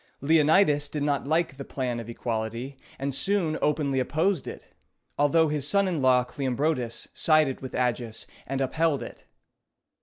Leonidas did not like the plan of equality, and soon openly opposed it, although his son in law Cleombrotus sided with Agis, and upheld it.